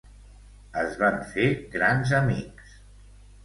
Es van fer grans amics.